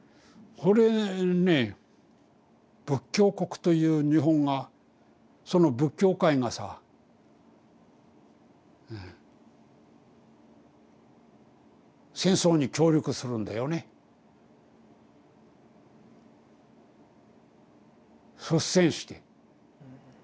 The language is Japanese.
それね仏教国という日本がその仏教界がさ戦争に協力するんだよね率先して。